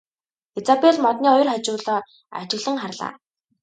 Изабель модны хоёр хожуулаа ажиглан харлаа.